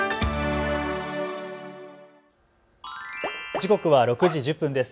時刻は６時１０分です。